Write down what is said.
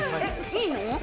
いいの？